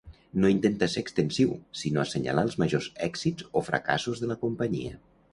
No intenta ser extensiu, sinó assenyalar els majors èxits o fracassos de la companyia.